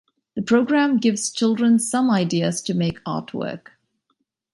The program gives children some ideas to make artwork.